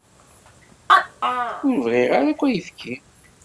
Ur bɣiɣ ara akk ayefki.